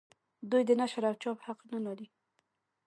دوی د نشر او چاپ حق نه لري.